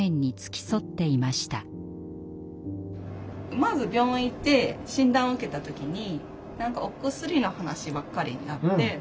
まず病院行って診断を受けた時にお薬の話ばっかりになって。